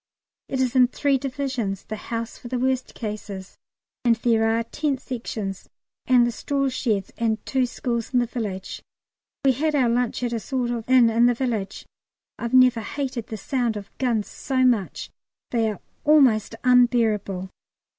It is in three Divisions the house for the worst cases and there are tent Sections and the straw sheds and two schools in the village. We had our lunch at a sort of inn in the village. I've never hated the sound of the guns so much; they are almost unbearable.